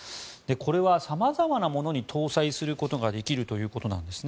これは様々なものに搭載することができるということです。